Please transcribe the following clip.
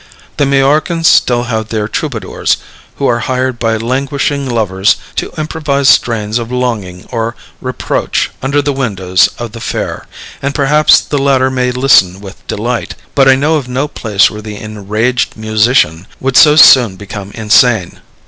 The Majorcans still have their troubadours, who are hired by languishing lovers to improvise strains of longing or reproach under the windows of the fair, and perhaps the latter may listen with delight; but I know of no place where the Enraged Musician would so soon become insane.